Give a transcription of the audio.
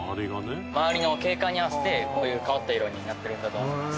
周りの景観に合わせてこういう変わった色になってるんだと思います。